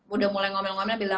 udah mulai ngomel ngomel